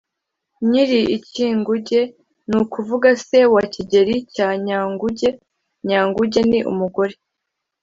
Nyiri Ikinguge: ni ukuvuga se wa Kigeli cya Nyanguge. Nyanguge ni umugore